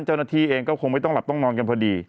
เจ้าหน้าที่เองก็คงไม่ต้องหลับต้องนอนกันพอดี